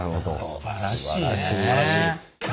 すばらしいね。